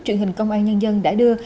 truyền hình công an nhân dân đã đưa